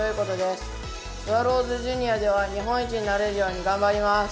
スワローズジュニアでは日本一になれるように頑張ります。